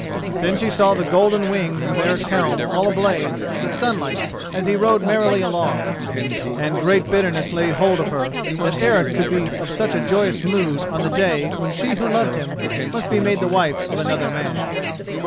Then she saw the golden wings of Eric's helm all ablaze with the sunlight as he rode merrily along, and great bitterness laid hold of her that Eric could be of such a joyous mood on the day when she who loved him must be made the wife of another man.